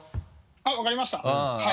あっ分かりました。